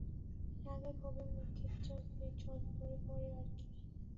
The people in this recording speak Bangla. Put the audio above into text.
রাগে ক্ষোভে মক্ষীর চোখ দিয়ে জল পড়ে-পড়ে আর-কি।